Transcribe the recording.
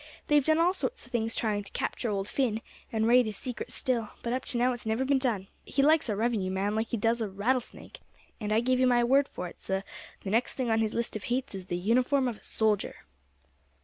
They've done all sorts of things trying to capture old Phin, and raid his secret still; but up to now it's never been done. He likes a revenue man like he does a rattlesnake; and I give you my word for it, suh, the next thing on his list of hates is the uniform of a soldier!"